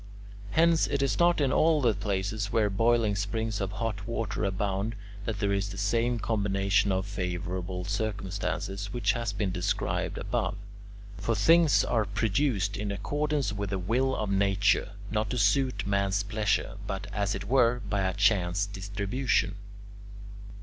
Hence it is not in all the places where boiling springs of hot water abound, that there is the same combination of favourable circumstances which has been described above. For things are produced in accordance with the will of nature; not to suit man's pleasure, but as it were by a chance distribution.